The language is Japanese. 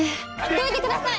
どいてください！